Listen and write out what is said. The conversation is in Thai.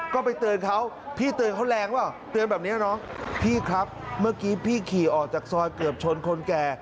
ก็ไปเตือนเขาพี่เตือนเขาแรงเปล่าเตือนแบบนี้น้องพี่ครับเมื่อกี้พี่ขี่ออกจากซอยเกือบชนคนแก่